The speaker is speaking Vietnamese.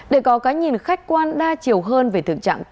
để có cái nhìn khách quan đa chiều hơn về thường trạng công tác